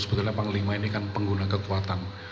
sebetulnya panglima ini kan pengguna kekuatan